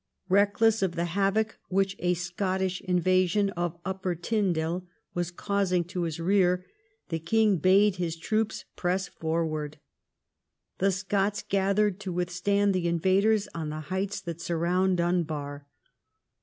Keckless of the havoc which a Scottish invasion of Upper Tyndale was causing in his rear, the king bade his troops press forward. The Scots gathered to with stand the invaders on the heights that surround Dunbar.